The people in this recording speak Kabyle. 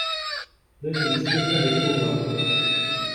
D ass n tlata deg tuber.